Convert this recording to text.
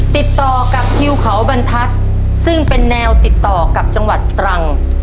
ติดต่อกับทิวเขาบรรทัศน์ซึ่งเป็นแนวติดต่อกับจังหวัดตรัง